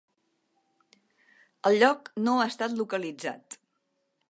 El lloc no ha estat localitzat.